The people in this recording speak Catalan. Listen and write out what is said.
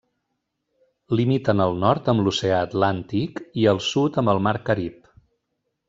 Limiten al nord amb l'oceà Atlàntic i al sud amb el mar Carib.